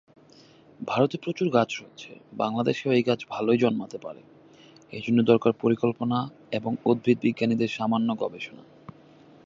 ভারতে প্রচুর গাছ রয়েছে, বাংলাদেশেও এই গাছ ভালোই জন্মাতে পারে, এর জন্যে দরকার পরিকল্পনা এবং উদ্ভিদ বিজ্ঞানীদের সামান্য গবেষণা।